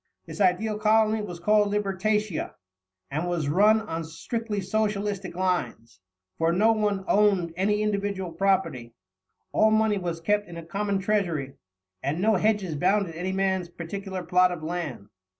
This ideal colony was called Libertatia, and was run on strictly Socialistic lines, for no one owned any individual property; all money was kept in a common treasury, and no hedges bounded any man's particular plot of land.